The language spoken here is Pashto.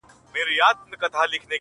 که هر څو مي درته ډېري زارۍ وکړې،